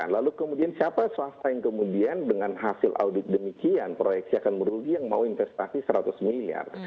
lalu kemudian siapa swasta yang kemudian dengan hasil audit demikian proyeksi akan merugi yang mau investasi seratus miliar